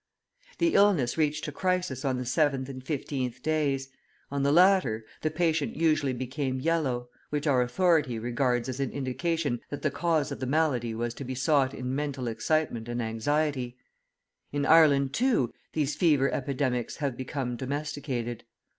The illness reached a crisis on the seventh and fifteenth days; on the latter, the patient usually became yellow, which our authority {100b} regards as an indication that the cause of the malady was to be sought in mental excitement and anxiety. In Ireland, too, these fever epidemics have become domesticated.